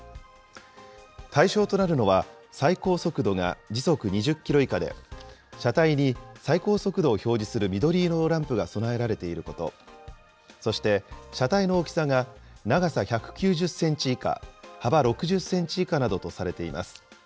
対象となるのは、最高速度が時速２０キロ以下で、車体に最高速度を表示する緑色のランプが備えられていること、そして、車体の大きさが長さ１９０センチ以下、幅６０センチ以下などとされています。